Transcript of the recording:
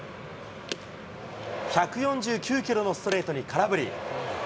１４９キロのストレートに空振り。